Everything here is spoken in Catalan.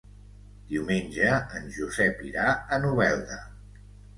Diumenge en Josep irà a Novelda.